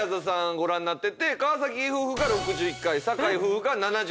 ご覧になってて川崎夫婦が６１回酒井夫婦が７３回と。